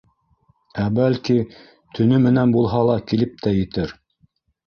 Ә бәлки, төнө менән булһа ла килеп тә етер.